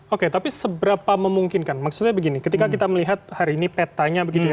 oke tapi seberapa memungkinkan maksudnya begini ketika kita melihat hari ini petanya begitu ya